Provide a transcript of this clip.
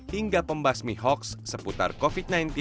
hingga pembahas mihoks seputar covid sembilan belas